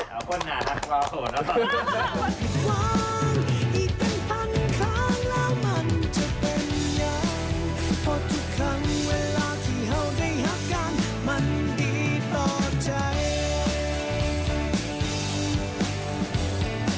เอ้าคนหนาทักเบานะ